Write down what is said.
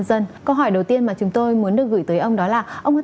đe dọa tính mạng người dân